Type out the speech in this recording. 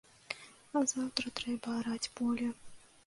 А заўтра трэба араць поле.